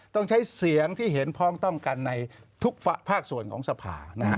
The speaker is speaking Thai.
ต้องใช้เสียงที่เห็นพร้อมต้องกันในทุกภาคส่วนของสภา